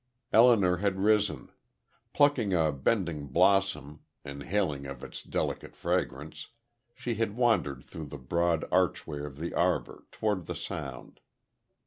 Elinor had risen; plucking a bending blossom, inhaling of its delicate fragrance, she had wandered through the broad archway of the arbor, toward the Sound.